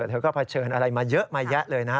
เธอก็เผชิญอะไรมาเยอะมาแยะเลยนะฮะ